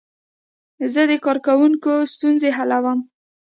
زه د کاروونکو ستونزې حلوم.